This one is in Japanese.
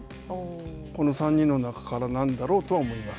この３人の中からなんだろうとは思います。